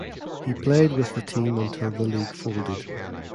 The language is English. He played with the team until the league folded.